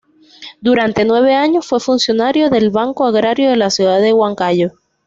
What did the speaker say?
Durante nueve años fue funcionario del Banco Agrario en la ciudad de Huancayo.